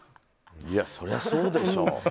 そりゃそうでしょ。